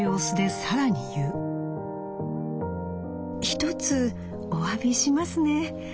『一つお詫びしますね。